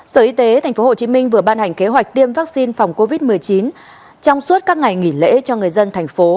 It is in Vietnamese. sở y tế thành phố hồ chí minh vừa ban hành kế hoạch tiêm vaccine phòng covid một mươi chín trong suốt các ngày nghỉ lễ cho người dân thành phố